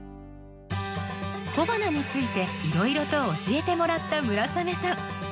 小花についていろいろと教えてもらった村雨さん。